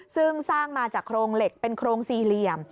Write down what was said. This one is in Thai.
ซึ่งสร้างมาจากโครงเหล็กเป็นโครงสี่เหลี่ยม